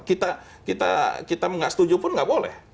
kita nggak setuju pun nggak boleh